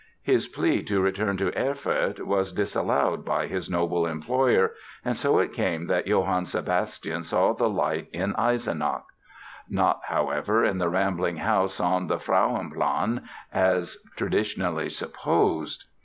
His plea to return to Erfurt was disallowed by his noble employer and so it came that Johann Sebastian saw the light in Eisenach. Not, however, in the rambling house on the Frauenplan as traditionally supposed.